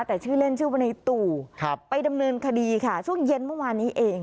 แต่ชื่อเล่นชื่อว่าในตู่ไปดำเนินคดีค่ะช่วงเย็นเมื่อวานนี้เอง